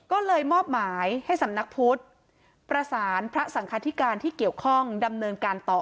ก็เลยมอบหมายให้สำนักพุทธประสานพระสังคธิการที่เกี่ยวข้องดำเนินการต่อ